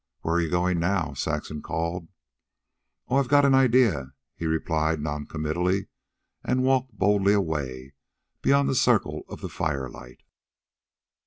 "Where are you going now?" Saxon called. "Oh, I've got an idea," he replied noncommittally, and walked boldly away beyond the circle of the firelight.